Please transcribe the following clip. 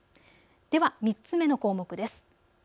では３つ目の項目です。